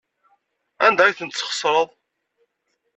Anda ay tent-tesxeṣreḍ?